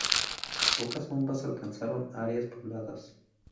Pocas bombas alcanzaron áreas pobladas.